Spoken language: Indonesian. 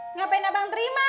ngapain abang terima